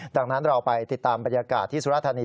ดังนั้นเราไปติดตามบรรยากาศที่สุรธานี